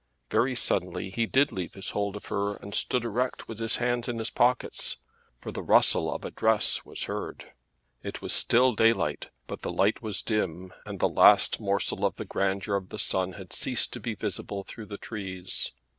Very suddenly he did leave his hold of her and stood erect with his hands in his pockets, for the rustle of a dress was heard. It was still daylight, but the light was dim and the last morsel of the grandeur of the sun had ceased to be visible through the trees.